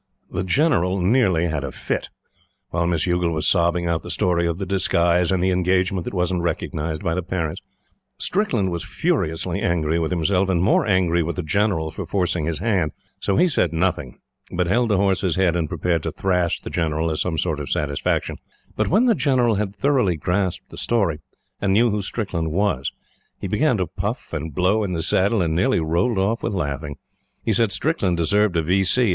The General nearly had a fit, while Miss Youghal was sobbing out the story of the disguise and the engagement that wasn't recognized by the parents. Strickland was furiously angry with himself and more angry with the General for forcing his hand; so he said nothing, but held the horse's head and prepared to thrash the General as some sort of satisfaction, but when the General had thoroughly grasped the story, and knew who Strickland was, he began to puff and blow in the saddle, and nearly rolled off with laughing. He said Strickland deserved a V. C.